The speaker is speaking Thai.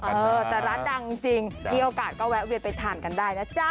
เออแต่ร้านดังจริงมีโอกาสก็แวะเวียนไปทานกันได้นะจ๊ะ